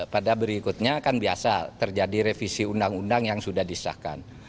pada berikutnya kan biasa terjadi revisi undang undang yang sudah disahkan